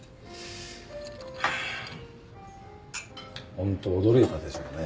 ホント驚いたでしょうね。